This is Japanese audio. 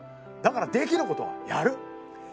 だからできることはやる。